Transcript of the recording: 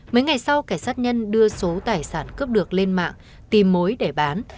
mấy ngày sau cảnh sát nhân đưa số tài sản cướp được lên mạng tìm mối để bán